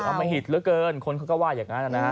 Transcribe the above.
อมหิตเหลือเกินคนเขาก็ว่าอย่างนั้นนะฮะ